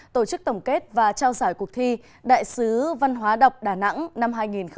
tổ chức tổng kết và trao giải cuộc thi đại sứ văn hóa đọc đà nẵng năm hai nghìn hai mươi